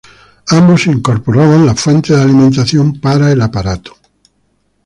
Ambos incorporaban la fuente de alimentación para el aparato.